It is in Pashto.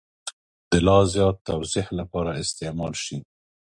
د لا زیات توضیح لپاره استعمال شي.